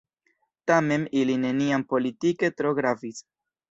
Tamen ili neniam politike tro gravis.